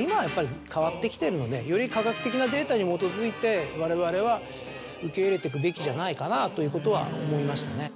今はやっぱり変わってきてるのでより科学的なデータに基づいてわれわれは受け入れていくべきじゃないかなと思いましたね。